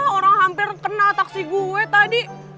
orang hampir kena taksi gue tadi